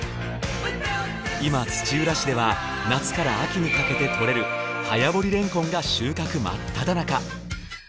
今土浦市では夏から秋にかけて採れる早掘りれんこんが収穫真っ只中。